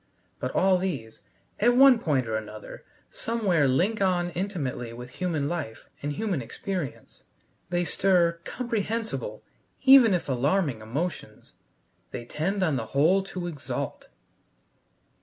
But all these, at one point or another, somewhere link on intimately with human life and human experience. They stir comprehensible, even if alarming, emotions. They tend on the whole to exalt.